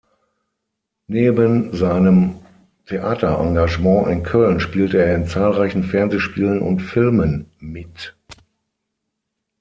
Neben seinem Theaterengagement in Köln spielte er in zahlreichen Fernsehspielen und -filmen mit.